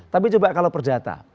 tapi coba kalau perdata